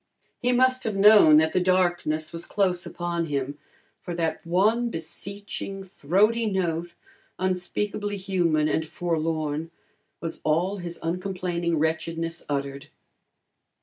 He must have known that the darkness was close upon him, for that one beseeching, throaty note, unspeakably human and forlorn, was all his uncomplaining wretchedness uttered.